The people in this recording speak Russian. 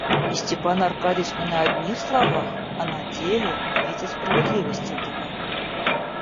И Степан Аркадьич не на одних словах, а на деле видел справедливость этого.